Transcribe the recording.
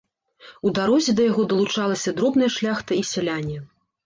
У дарозе да яго далучалася дробная шляхта і сяляне.